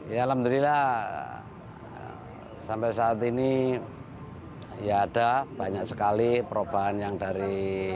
ya alhamdulillah sampai saat ini ya ada banyak sekali perubahan yang dari